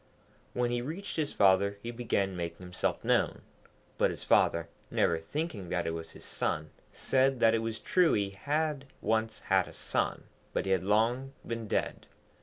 When he reached his father he began making himself known; but his father, never thinking that it was his son, said that it was true he had once had a son, but he had long been dead.